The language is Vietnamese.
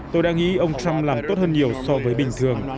tôi đã nghĩ ông trump làm tốt hơn nhiều so với bình thường